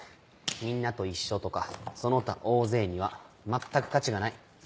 「みんなと一緒」とか「その他大勢」には全く価値がない。